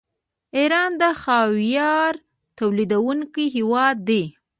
ایران د خاویار تولیدونکی هیواد دی.